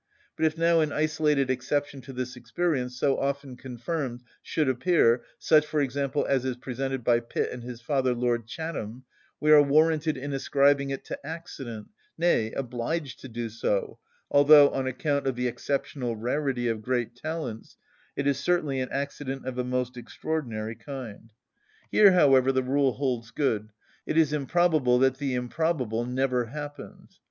But if now an isolated exception to this experience, so often confirmed, should appear; such, for example, as is presented by Pitt and his father, Lord Chatham, we are warranted in ascribing it to accident, nay, obliged to do so, although, on account of the exceptional rarity of great talents, it is certainly an accident of a most extraordinary kind. Here, however, the rule holds good: it is improbable that the improbable never happens.